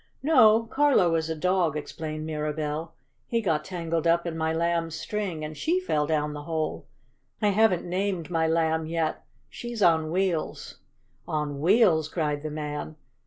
"No, Carlo is a dog," explained Mirabell. "He got tangled up in my Lamb's string, and she fell down the hole. I haven't named my Lamb yet. She's on wheels." "On wheels?" cried the man.